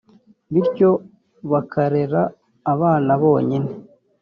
bityo bakarera abana bonyine